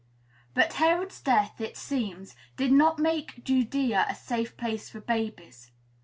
But Herod's death, it seems, did not make Judea a safe place for babies.